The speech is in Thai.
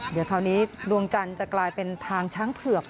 เดี๋ยวคราวนี้ดวงจันทร์จะกลายเป็นทางช้างเผือก